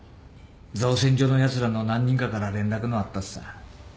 造船所のやつらの何人かから連絡のあったっさ。